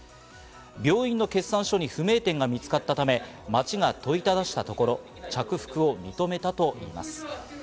病院の決算書に不明点が見つかったため、町が問いただしたところ、着服を認めたといいます。